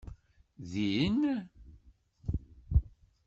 Din?